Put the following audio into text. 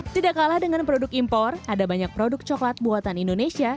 tidak kalah dengan produk impor ada banyak produk coklat buatan indonesia